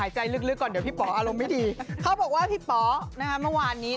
อารมณ์มารวดรวดเลยจริง